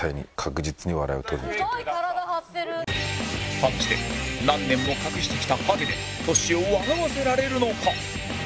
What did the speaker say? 果たして何年も隠してきたハゲでトシを笑わせられるのか？